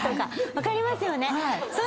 分かりますよね！